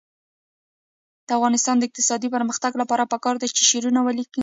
د افغانستان د اقتصادي پرمختګ لپاره پکار ده چې شعرونه ولیکو.